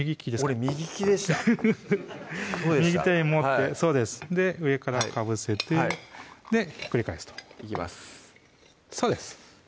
俺右利きでした右手に持ってそうです上からかぶせてでひっくり返すといきますそうです